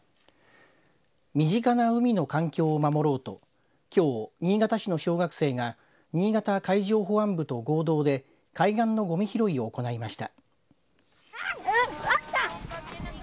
身近な海の環境を守ろうときょう新潟市の小学生が新潟海上保安部と合同で海岸のごみ拾いを行いました。